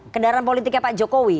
kendaraan politiknya pak jokowi